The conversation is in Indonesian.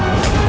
kita akan lihat